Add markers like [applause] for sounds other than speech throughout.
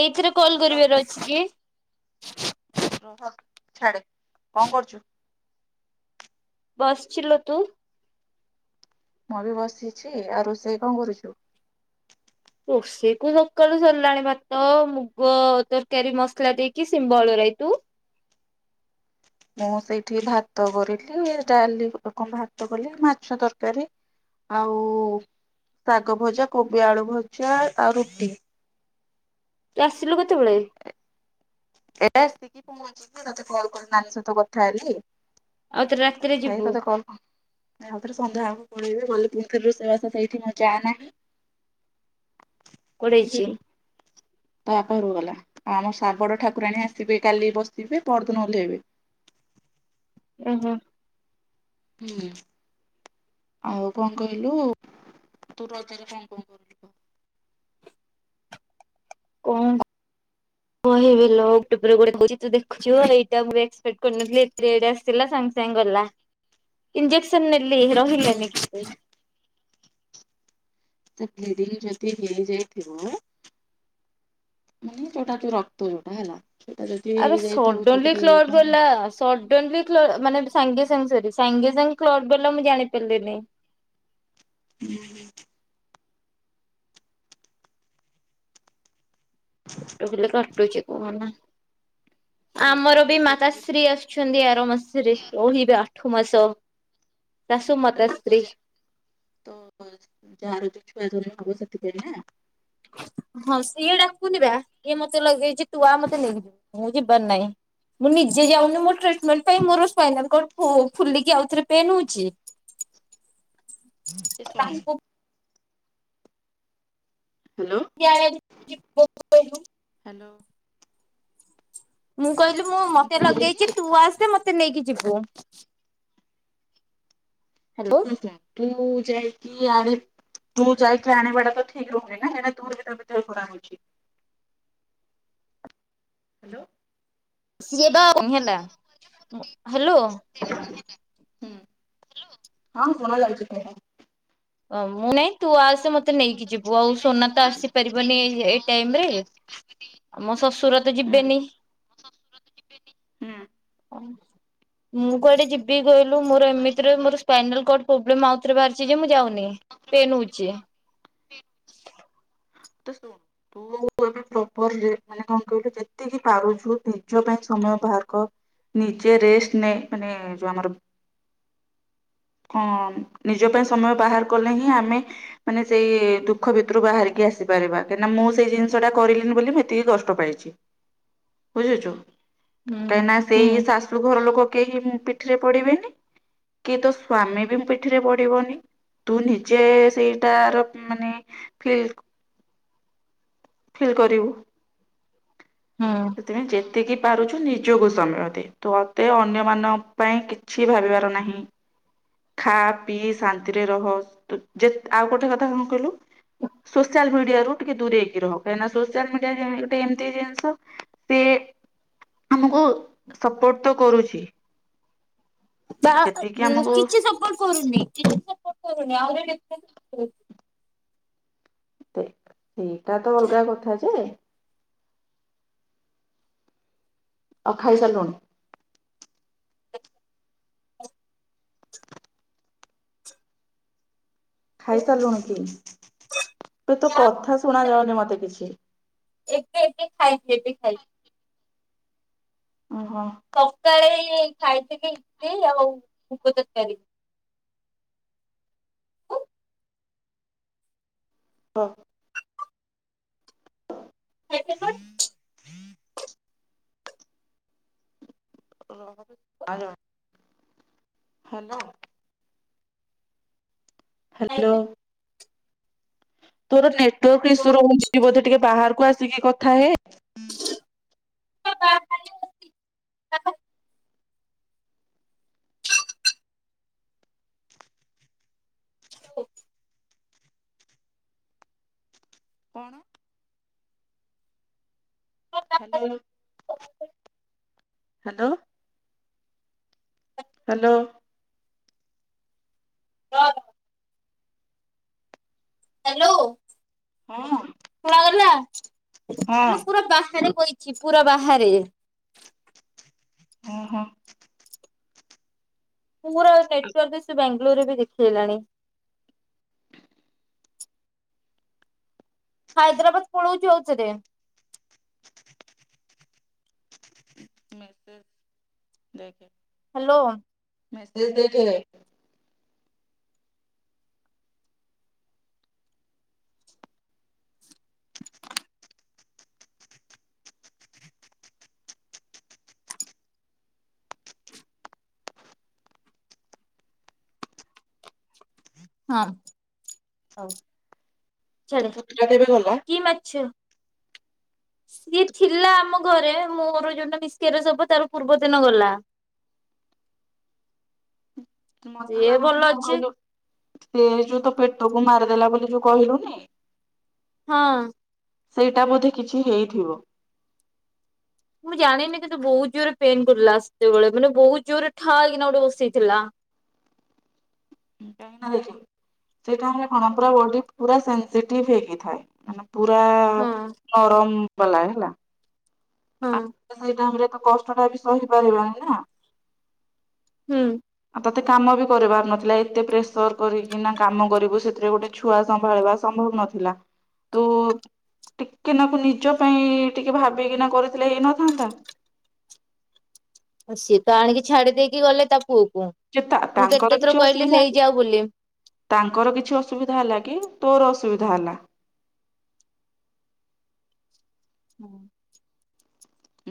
ଏଇଥିରେ call hello କରିବାର ଅଛି କି। ରହ ଛାଡେ, କଣ କରୁଛୁ? ବସିଚି ଲୋ ତୁ? ମୁଁ ବି ବସିଛି। ଆଉ ରୋଷେଇ କଣ କରୁଛୁ? ରୋଷେଇ କୁ ସକାଳୁ ସରିଲାଣି ଭାତ, ମୁଗ ତରକାରୀ ମସଲା ଦେଇକି ଶିମ୍ବ ଆଳୁ ରାଇ। ଆଉ ତୁ? ମୁଁ ସେଇଠି ଭାତ କରିଲି ଡାଲି କ-କ କଣ ଭାତ କଲି ମାଛ ତରକାରୀ। ଆଉ-ଉ-ଉ ଶାଗ ଭଜା, କୋବି ଆଳୁ ଭଜା, ଆଉ ରୁଟି। ତୁ ଆସିଲୁ କେତେବେଳେ? ଏ [unintelligible] ଆସିକି ପହଞ୍ଚି [unintelligible] ତତେ କଲ କଲି ନାନୀ ସହିତ କଥା ହେଲି। ଆଉ ତୋର ରାତିରେ ସେଇ ଯିବୁ ତତେ କଣ କ ଆଉଥରେ ସନ୍ଧ୍ୟାବେଳ କୁ ପଳେଇବି ଗଲେ ପୁଣିଥରେ ରୋଷେଇବାସ ସେଇଠି ମୁଁ ଯା ନାହିଁ। କୁଆଡେ ଯାଇଛି? ବୁଝିଲୁ ତା ବାପ ଘରୁକୁ ଗଲା। ଆଉ ଆମ ଶାବଡ଼ ଠାକୁରାଣୀ ଆସିବେ କାଲି ବସିବେ ପରଦିନ ଓହ୍ଲେଇବେ। ଓ ହୋ। ହୁଁ। ଆଉ କଣ କହିଲୁ ତୁ ରଜରେ କଣ କଣ କରୁଛୁ କହ? କଣ ମୁଁ ହିଁ ଏବେ [unintelligible] ତୁ ଦେଖୁଛୁ ଏଇଟା ମୁ ଏସପେକ୍ଟ କରିନଥିଲି ଏତେ ଏଟା ଥିଲା ସାଙ୍ଗ ସାଙ୍ଗେ ଗଲା ଞଜେକ୍ସନ୍ ନେଲି ହୁଁ। ରହିଲାନି କିଛି। ତ ବ୍ଳିଇଡିଂ ଯଦି ହେଇଯାଇଥିବ ମାନେ ଯୋଉଟା ଯୋ ରକ୍ତ ଯୋଉଟା ହେଲା ସେଟା ଯଦି ହେଇ ଆରେ ଯାଇଥିବ ସଡନଲି କ୍ଲଟ ଗଲା [unintelligible] ସଡନଲି କ୍ଳ ଅ ମାନେ ସାଙ୍ଗେ ସାଙ୍ଗେ ସରି ସାଙ୍ଗେ ସାଙ୍ଗେ କ୍ଳଟ ଗଲା ମୁଁ ଜାଣି ପାରିଲିନି। ହୁଁ ହଁ ପେଟ ଖାଲି କାଟୁଛି କହନା। କେତେ ଦିନ ଆସୁଛନ୍ତି ଆର ମାସରେ ରହିବେ ଆଠ ମାସ ଶାଶୁ ମାତାଶ୍ରୀ। ତୋର ଯୋ ଯା ର ଯୋଉ ଛୁଆ ଜନ୍ମ ହବ ସେଥିପାଇଁ ନା। ହଁ ସିଏ ଡାକୁୁନିବା ଇଏ ମତେ ଲଗେଇଛି ତୁଆ ମତେ ନେଇକିଯିବୁ ମୁଁ ଯିବାର ନାଇଁ। ମୁଁ ନିଜେ ଯାଉନି ମୋ ଟ୍ରିଟମେଣ୍ଟ ପାଇଁ ମୋର ସ୍ପାଇନାଲକଡ଼ ଫୋ ଫୁଲିକି ଆଉଥରେ ପେନ୍ ହଉଛି। ସେ କଣ? ତାକୁ ହ୍ୟାଲୋ। [unintelligible] ହ୍ୟାଲୋ। ମୁଁ କହିଲି ମୁଁ ମତେ କହିଲି ଲଗେଇଛି ଯେ ତୁ ଆସେ ମତେ ନେଇକି ଯିବୁ। ଯେ ହ୍ୟାଲୋ ତୁ ଯା। ତୁ ଯାଇକି ଆଣିବା ଟା ତ ଠିକ ରହୁନି ନା ଏଇନା ତୋର ବି ତ ଦେହ ଖରାପ ହଉଛି। ହ୍ୟାଲୋ। ସିଏ ବା [inaudible] ହ୍ୟାଲୋ ହଁ ହଁ ଶୁଣା ଯାଉଛି କୁହ। ଓ ମୁଁ ନାଇଁ ତୁ ଆସେ ମତେ ନେଇକି ଯିବୁ। ଆଉ ସୋନା ତ ଆସିପାରିବନି ଏ ଏଇ ଟାଇମ ରେ। ମୋ ଶ୍ୱଶୁର ତ ଯିବେନି। ଶଶୁର ତ ଯିବେନି। ହଁ ମୁଁ କୁଆଡେ ଯିବ ବି କହିଲୁ ମୋର ଏମିତିରେ ମୋର ସ୍ପାଇନାଲକଡ଼ ପ୍ରୋବ୍ଲେମ ଆଉଥରେ ବାହାରିଛି ଯେ ମୁଁ ଯାଉନି। ପେନ୍ ହଉଚି। ତ ଶୁଣ ତୁ ଏବେ ପ୍ରପର ରେଷ୍ଟ ନେ ମାନେ କଣ କହିଲୁ ଯେତିକି ପାରୁଛୁ ନିଜ ପାଇଁ ସମୟ ବାହାର କର। ନିଜେ ରେଷ୍ଟ୍ ନେ ମାନେ ଯୋଉ ଆମର ହଁ ନିଜ ପାଇଁ ସମୟ ବାହାର କଲେ ହିଁ ଆମେ ମାନେ ସେ-ଏ-ଏ-ଏ ଦୁଃଖ ଭିତରୁ ବାହାରିକି ଆସି ପାରିବା। କାହିଁକିନା ମୁଁ ସେଇ ଜିନିଷ ଟା କରିଲିନି ବୋଲି ମୁଁ ଏତିକି କଷ୍ଟ ପାଇଲି। ବୁଝୁଚୁ ହୁଁ କାହିଁ ନା ହୁଁ ସେଇ ଶାଶୁ ଘର ଲୋକ କେହି ପିଠିରେ ପଡିବେନି କି ତୋ ସ୍ଵାମୀ ବି ପିଠିରେ ପଡ଼ିବନି ତୁ ନିଜେ ସେଇଟାର ମାନେ ଫିଲ୍ ଫିଲ୍ କରିବୁ। ହୁଁ। ତେଣୁ ଯେତିକି ପାରୁଛୁ ନିଜକୁ ସମୟ ଦେ ତୋତେ ଅନ୍ୟମାନଙ୍କ ପାଇଁ କିଛି ଭାବିବାର ନାହିଁ। ଖା ପିଇ ଶାନ୍ତିରେ ରହ ଯେ ଆଉ ଗୋଟେ କଥା କଣ କହିଲୁ। ସୋସିଆଲ ମିଡିଆରୁ ଟିକେ ଦୂରେଇକି ରହ କାହିଁନା ସୋଆଲ ମିଡିଆ ଗୋଟେ ଏମିତି ଜିନିଷ ସେ ଆମକୁ ସପୋର୍ଟ ତ କରୁଛି। ବା ଯେତିକି ଆମକୁ କିଛି ସପୋର୍ଟ କରୁନି କିଛି ସପୋର୍ଟ କରୁନି ଆହୁରି ସେଇଟା ତ ଅଲଗା କଥା ଯେ। ଅ ଖାଇ ସାରିଲୁଣି। ଖାଇ ସାରିଲୁଣି କି ଏ ତୋ କଥା ଶୁଣା ଯାଉନି ମତେ କିଛି। ଏବେ ଏବେ ଖାଇବି ଏବେ ଖାଇବି। ଓହୋ। ସକାଳେ ଏ ଖାଇଥିଲି ଇପି ଆଉ ମୁଗ ତରକାରୀ। ହଁ। [unintelligible] ଆ [inaudible] ହ୍ୟାଲୋ ହ୍ୟାଲୋ। ତୋର ନେଟୱକ ଇସ ରହୁଛି ବୋଧେ ଟିକେ ବାହାରକୁ ଆସିକି କଥା ହେ [unintelligible] [unintelligible] କଣ। ହ୍ୟାଲୋ। ହ୍ୟାଲୋ। ହ୍ୟାଲୋ। ରନ। ହ୍ୟାଲୋ। ହଁ। ଶୁଣା ଗଲା ହଁ ଆଲୋ ପୁରା ବାହାରେ ବଇଛି ପୁରା ବାହାରେ ଓଁ ହଁ। ପୁରା ନେଟୱାର୍କ ସେ ବାଙ୍ଗାଲୋର ରେ ବି ଦେଖିେଇଲାଣି [unintelligible] ହାଇଦ୍ରାବାଦ ପଳଉଛି ହଉଛି ରେ ମେସେଜ ଦେଖେ। ହ୍ୟାଲୋ। ମେସେଜ ଦେଖେ। ହଁ ହଉ। ତୁ ଛାଡେ ପୁତୁରା କେବେ ଗଲା। କି ମାଛ। [unintelligible] ସିଏ ଥିଲା ଆମ ଘରେ ମୋର ଯୋଉଟା ମିସ୍କ୍ୟାରେଜ୍ ସବୁ ତାର ପୂର୍ବ ଦିନ ଗଲା। ମତେ ସିଏ ଲାଗୁଛି ଭଲ କଣ ଅଛି କହିଲୁ ସେ ଯୋଉ ତୋ ପେଟକୁ ମାରିଦେଲା ବୋଲି ଯୋଉ କହିଲୁନି। ହଁ। ସେଇଟା ବୋଧେ କିଛି ହେଇଥିବ। ମୁଁ ଜାଣିନି କିନ୍ତୁ ବହୁତ ଜୋରରେ ପେନ୍ କରିଲା ସେତେବେଳେ ମାନେ ବହୁତ ଜୋରରେ ଠାଏ କିନା ଗୋଟେ ବସେଇଥିଲା। କାହିଁକି ନା ଦେଖ ସେଇଟାମରେ କଣ ପୁରା ବଡି ପୁରା ସେନସିଟିଭି ହେଇକି ଥାଏ। ମାନେ ପୁରା ହଁ ନରମ ବାଲା ହେଲା। ହଁ ଆ ସେଇ ଟାଇମ ରେ ତ କଷ୍ଟ ଟା ବି ସହିପାରିବେନି ନା? ହୁଁ ଆଉ ତତେ କାମ ବି କରିବାର ନଥିଲା ଏତେ ପ୍ରେସର କରିକିନା କାମ କରିବୁ ସେଥିରେ ଗୋଟେ ଛୁଆ ସମ୍ଭାଳିବା ସମ୍ଭବ ନଥିଲା? ଥିଲା ତୁ ଟିକେ ନାକୁ ନିଜ ପାଇଁ ଟିକେ ଭାବିକିନା କରି ଥିଲେ ହେଇ ନଥାନ୍ତା ସିଏ ତ ଆଣିକି ଛାଡି ଦେଇକି ଗଲେ ତା ପୁଅ କୁ ଯେ ତା ମୁଁ ତାଙ୍କର କେତେଥର କିଛି କହିଲି ଅସୁବିଧା ନେଇଯାାଉ ବୋଲି ତାଙ୍କର କିଛି ଅସୁବିଧା ହେଲା କି ତୋର ଅସୁବିଧା ହେଲା [unintelligible] ହ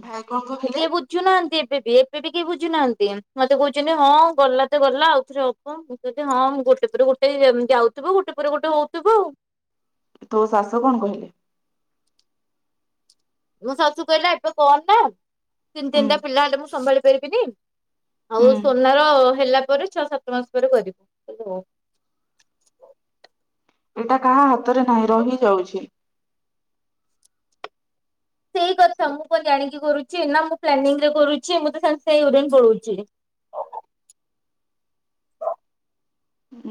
ଭାଇ କଣ କଉଥିଲେ ବୁଝୁ ନାହାନ୍ତି ଏବେ ବି ଏବେ ବି କେହି ବୁଝୁନାହାନ୍ତି ମତେ କହୁଛନ୍ତି ହଁ ଗଲା ତ ଗଲା ଆଉ ଥରେ ହବ ମୁଁ କଛି ହଁ ଗୋଟେ ପରେ ଗୋଟେ ଯାଉ ଯାଉଥିବ ଗୋଟେ ପରେ ଗୋଟେ ହଉଥିବ ଆଉ ତୋ ଶାଶୁ କଣ କହିଲେ? ମୋ ଶାଶୁ କହିଲା ଏବେ କଣ ନା ତିନି ହୁଁ ତିନିଟା ପିଲା ହେଲେ ମୁଁ ସମ୍ଭାଳି ପାରିବିନି? ହୁଁ ଆଉ ସୁନାର ହେଲା ପରେ ଛଅ ସାତ ମାସ ପରେ କରିବୁ ମୁଁ କହିଲି ହୋଉ। ଏଇଟା କାହା ହାତରେ ନାହିଁ ରହିଯାଉଛି ସେଇ କଥା ମୁଁ କ ଯାଣିକି କରୁଛି ନା ମୁଁ ପ୍ଲାନିଂ ରେ କରୁଛି ମୁଁ ତ ସେଇ [unintelligible] ପଳୁଛି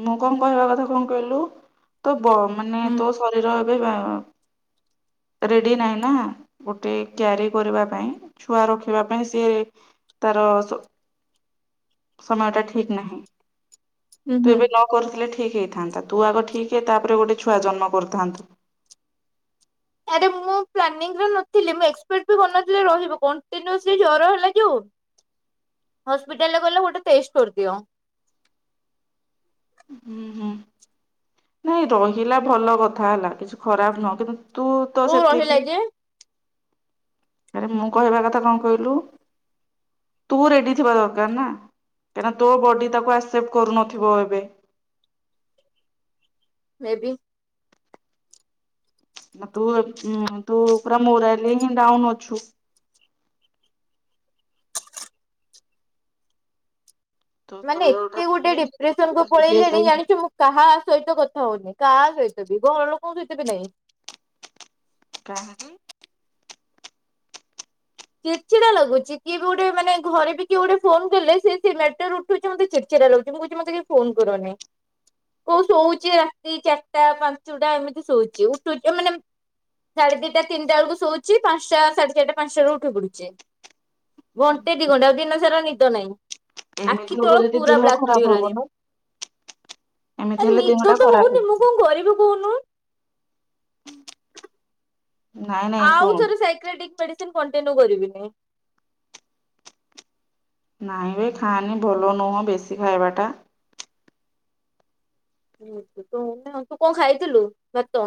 ମୁଁ କଣ କହିବା କଥା କଣ କହିଲୁ ତୋ ବ ମାନେ ହୁଁ ତୋ ଶରୀର ଏବେ ବା ରେଡ଼ି ନାହିଁ ନା ଗୋଟେ କ୍ୟାରି କରିବା ପାଇଁ? ଛୁଆ ରଖିବା ପାଇଁ ସିଏ ତାର ସ ସମୟ ଟା ଠିକ ନାହିଁ ହୁଁ ତୁ ହୁଁ ଏବେ ନ କରିଥିଲେ ଠିକ ହେଇଥାନ୍ତା ତୁ ଆଗ ଠିକ ହେଇ ତାପରେ ଗୋଟେ ଛୁଆ ଜନ୍ମ କରିଥାନ୍ତୁ? ଆରେ ମୁଁ ପ୍ଲାନିଂ ରେ ନଥିଲି ମୁଁ ଏକ୍ସପେଟ ବି ଭଲନଥିଲ ରହିବ କଅଣ୍ଟନିଅସ ଜର ହେଲା ଯୋଉ ହସ୍ପିଟାଲ ରେ ଗଲେ ଗୋଟେ ଟେଷ୍ଟ କରିଦିଅ ହୁଁ ହୁଁ ନାଇଁ ରହିଲା ଭଲ କଥା ହେଲା କିଛି ଖରାପ ନୁହଁ କିନ୍ତୁ ତୁ ତ କୋଉ ରହିଲା ସେତିକି ଯେ ଆରେ ମୁଁ କହିବା କଥା କଣ କହିଲୁ ତୁ ରେଡି ଥିବା ଦରକାର ନା କାରଣ ତୋ ବଡି ତାକୁ ଆକ୍ସେପ୍ଟ କରୁନଥିବ ଏବେ ମେ ବି ତୁଉ ତୁ ମୋରାଇଲେ ହିଁ ଡାଉନ ଅଛୁ ତୋ ମାନେ ଶରୀର ଟା ଏତେ ଗୋଟେ ଡିପ୍ରେସନ କୁ ପଳେଇଲେଣି ଜାଣିଛ ମୁଁ କାହା ସହିତ କଥା ହଉନି କାହା ସହିତ ବି ଘଣ ଲୋକଙ୍କ ସହିତ ବି ନହିଁ କାହିଁକି କିର୍ଛିଡା ଲାଗୁଛି କିଏ ବି ଗୋଟେ ମାନେ ଘରେ ବି କିଏ ଗୋଟେ ଫୋନ କଲେ ସେ ସେ ମେଟୋ ରୁ ହୁ ଯେ ମତେ ଚିର ଚିର୍ ଲାଗୁଛି ମୁଁ କହୁଛି ମତେ କେହି ଫୋନ୍ କରନି କୋଉ ଶୋଉଛି ରାତି ଚାରିଟା ପାଞ୍ଚଟା ଏମିତି ଶୋଉଛି ଉଠିଚୁ ମାନେ ସାଢେ ଦିଟା ତିନି ବେଳକୁ ସଉଛି ପାଞ୍ଚଟାଢେ ଚାରି ପାଞ୍ଚଟା କପଡୁଛେ ଘଣ୍ଟେ ଦି ଘଣ୍ଟେ ଆଉ ଦିନ ସାରା ନିଦ ନାହିଁ ଏମିତି ଆଖି ହବ ତଳ ଯଦି ପୁରା ଦେହ ବ୍ଲାକ୍ ଖରାପ ହବ ପୁଡ଼ିଗଲାଣି ନା ଏମିତି ଏ ହେଲେ ଦେହଟା ନିଦ ତ ଖରାପ ହବ ହଉନି ମୁଁ କଣ କରିବି କହୁନୁ? ନାଇଁ ନାଇଁ ଆଉ ଶୁଣୁ ଥର ସାଇକ୍ରେଟିକ ମେଡିସିନ କଣ୍ଟିନ୍ୟୁ କରିବିନି ନହିଁ ଏ ଖାଆନି ଭଲ ନୁହଁ ବେଶୀ ଖାଇବାଟା ତୁ ତୁ କଣ ଖାଇଥିଲୁ ଭାତ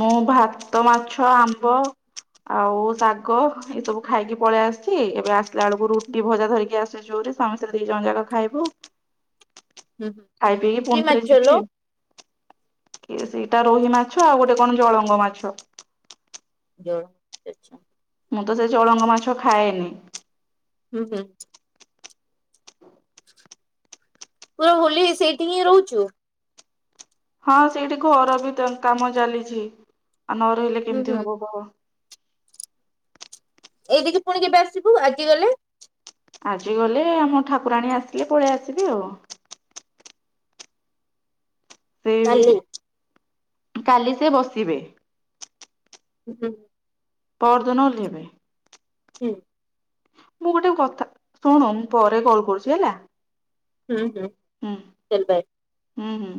ମୁଁ ଭାତ ମାଛ ଆମ୍ବ ଆଉ ଶାଗ ଏ ସବୁ ଖାଇକି ପଳେଇ ଆସିଛି ଏବେ ଆସିଲା ବେଳକୁ ରୁଟି ଭଜା ଧରିକି ଆଶୁ ଜୋରେ ସମେସ୍ତେ ଦି ଜଣ ଯାକ ଖାଇବୁ ହୁଁ ହୁଁ ଖାଇ ପିଇକି କି ପୁଣିଥରେ ମାଛ ଲୋ? ଯିବି କି ସେଇଟା ରୋହି ମାଛ ଆଉ ଗୋଟେ କଣ ଜଳଙ୍ଗ ମାଛ ଜରଛ ମୁଁ ତ ସେ ଚଳଙ୍ଗ ମାଛ ଖାଏନି ହୁଁ ହୁଁ। ପୁରା ହୋଲି ସେଇଟି ହିଁ ରହୁଚୁ? ହଁ ସେଇଟି ଘର ବି ଦେନ୍ କାମ ଚାଲିଚି ଆଉ ନ ରହିଲେ ହୁଁ କେମିତି ହୁଁ। ହବ କହ? ଏଇଟିକି ପୁଣି କେବେ ଆସିବୁ ଆଜି ଗଲେ? ଆଜି ଗଲେ ଆମ ଠାକୁରାଣୀ ଆସିଲେ ପଳେଇ ଆସିବି ଆଉ। କାଲି ସେଇ କାଲି ସିଏ ବସିବେ। ହୁଁ ହୁଁ। ପରଦିନ ଓହ୍ଲେଇବେ। ହୁଁ। ମୁଁ ଗୋଟେ କଥା ଶୁଣୁ ମୁଁ ପରେ କଲ୍ କରୁଚି ହେଲା। ହୁଁ ହୁଁ ଚାଲ ବାଏ। ହୁଁ ହୁଁ।